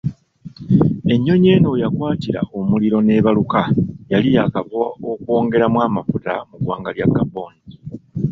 Ennyonyi eno we yakwatira omuliro n'ebaluka yali yaakava okwongeramu amafuta mu ggwanga lya Gabon.